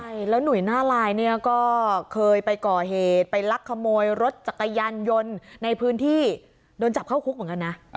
ใช่แล้วหนุ่ยหน้าลายเนี่ยก็เคยไปก่อเหตุไปลักขโมยรถจักรยานยนต์ในพื้นที่โดนจับเข้าคุกเหมือนกันนะ